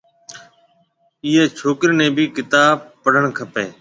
ايئي ڇوڪري نَي ڀِي ڪتاب پڙهڻ کپيَ۔